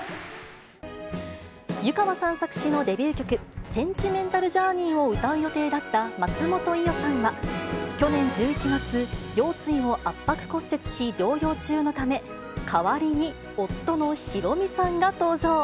湯川さん作詞のデビュー曲、センチメンタル・ジャーニーを歌う予定だった松本伊代さんは、去年１１月、腰椎を圧迫骨折し療養中のため、代わりに夫のヒロミさんが登場。